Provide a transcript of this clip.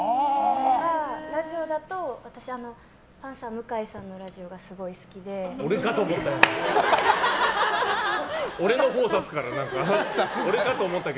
ラジオだとパンサー向井さんのラジオが俺かと思ったよ！